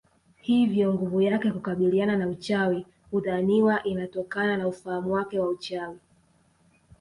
Hivyo nguvu yake ya kukabiliana na uchawi hudhaniwa inatokana na ufahamu wake wa uchawi